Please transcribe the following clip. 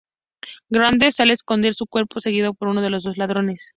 Gardner sale a esconder su cuerpo, seguido por uno de los dos ladrones.